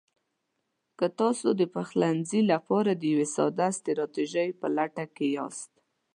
که تاسو د پخلنځي لپاره د یوې ساده ستراتیژۍ په لټه کې یاست: